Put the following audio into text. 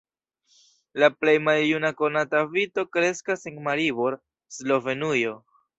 La plej maljuna konata vito kreskas en Maribor, Slovenujo.